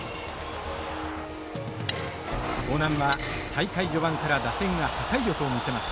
興南は大会序盤から打線が破壊力を見せます。